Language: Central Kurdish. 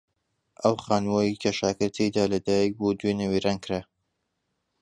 ئەو خانووەی کە شاکر تێیدا لەدایک بوو دوێنێ وێران کرا.